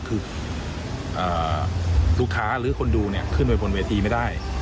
คือลูกค้าหรือคนดูขึ้นไปบนเวทีไม่ได้